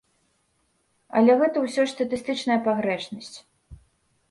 Але гэта ўсё ж статыстычная пагрэшнасць.